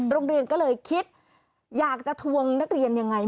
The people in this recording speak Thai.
โรงเรียนก็เลยคิดอยากจะทวงนักเรียนยังไง